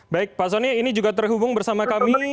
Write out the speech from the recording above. baik pak soni ini juga terhubung bersama kami